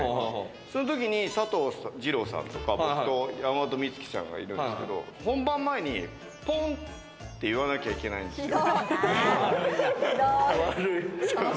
そういうときに佐藤二朗さんとか、僕と山本美月ちゃんがいるんですけど、本番前にポンって言わなきゃいけないんですよって。